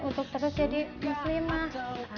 untuk terus jadi muslimah